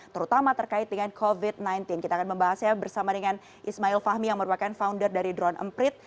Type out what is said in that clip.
terutama terkait dengan covid sembilan belas kita akan membahasnya bersama dengan ismail fahmi yang merupakan founder dari drone emprit